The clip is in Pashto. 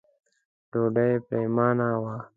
ډوډۍ پرېمانه وه.